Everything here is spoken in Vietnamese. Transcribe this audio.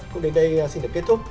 cũng đến đây xin được kết thúc